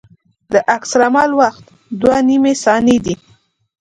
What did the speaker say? د عکس العمل وخت دوه نیمې ثانیې دی